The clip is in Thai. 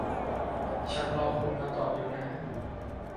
ฉันรอคุณมาตอบอยู่นะ